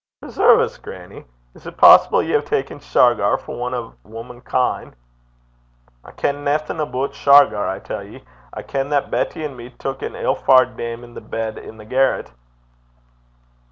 'Preserve 's, grannie! Is't possible ye hae ta'en Shargar for ane o' wumman kin'?' 'I ken naething aboot Shargar, I tell ye. I ken that Betty an' me tuik an ill faured dame i' the bed i' the garret.'